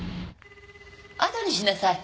あとにしなさい。